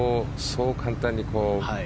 そう簡単に。